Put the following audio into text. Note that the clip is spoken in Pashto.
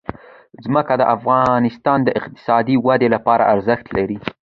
ځمکه د افغانستان د اقتصادي ودې لپاره ارزښت لري.